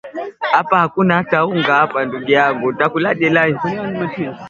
pamoja na vilabu vingine wakiwa katika mapumziko baada ya kutamatisha